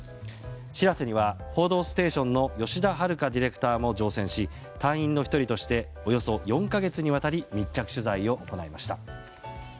「しらせ」には「報道ステーション」の吉田ディレクターも乗船し隊員の１人としておよそ４か月にわたり密着取材を行いました。